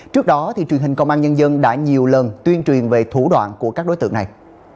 trước đó truyền hình công an nhân dân đã nhiều lần tuyên truyền về thủ đoạn của các đối tượng này